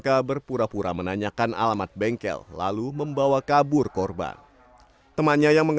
habis itu ada orang tua si korban dan dia bilang